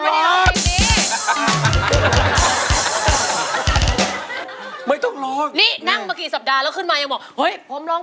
เพลงนี้อยู่ในอาราบัมชุดแรกของคุณแจ็คเลยนะครับ